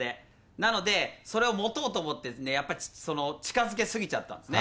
なので、それを持とうと思ってやっぱり近づけ過ぎちゃったんですね。